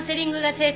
成功？